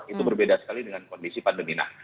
itu berbeda sekali dengan kondisi pandemi